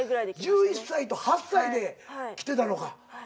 １１歳と８歳で来てたのか。